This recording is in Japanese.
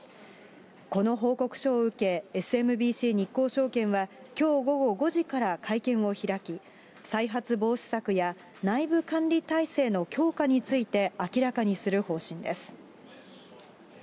この報告書を受け、ＳＭＢＣ日興証券は、きょう午後５時から会見を開き、再発防止策や内部管理態勢の強化について明らかにする方針です。